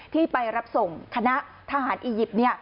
ที่ไปรับส่งคณะทหารอียิปต์